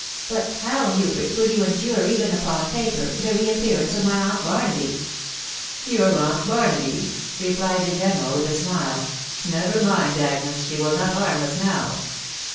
But how, Hubert, will you endure, even upon paper, the reappear ance of my aunt Barnaby ?"" Your aunt Barnaby ?" replied the general, with a smile. " JsTever mind, Agnes, she will not harm us now."